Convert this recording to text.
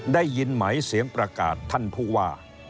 ได้ยินไหมเสียงประกาศท่านผู้ว่า